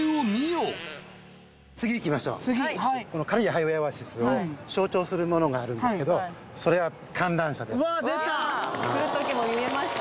この刈谷ハイウェイオアシスを象徴するものがあるんですけどそれは観覧車ですうわ出た来る時も見えました